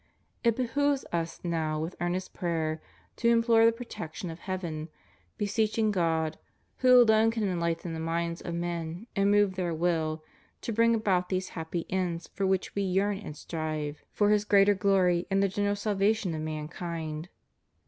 It behooves Us now with earnest prayer to implore the protection of heaven, beseeching God, who alone can enlighten the minds of men and move their will, to bring about those happy ends for which We yearn and strive, for His greater glory and the general salvation of mankind.